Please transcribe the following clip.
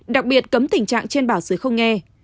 đặc biệt cấm tình trạng trên bảo xứ không nghe